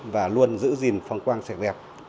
và luôn giữ gìn phong quang sạch đẹp